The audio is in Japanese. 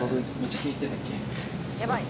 やばい。